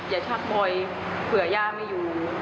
ชักคอยเผื่อย่าไม่อยู่